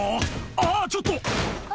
「あっちょっと！」